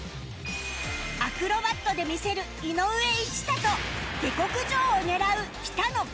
アクロバットで見せる井上一太と下克上を狙う北野快浬